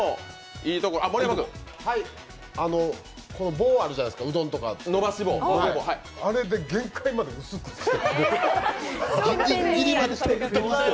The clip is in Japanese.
棒あるじゃないですか、うどんとか、あれで限界まで薄くして。